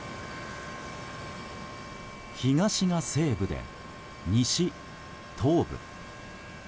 「東が西武で西東武」。